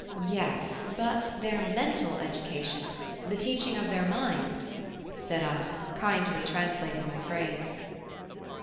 "Yes, but their mental education, the teaching of their minds," said I, kindly translating my phrase.